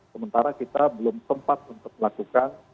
sementara kita belum sempat untuk melakukan